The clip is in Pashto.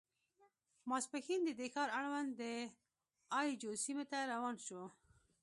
ماسپښین د دې ښار اړوند د اي جو سیمې ته روان شوو.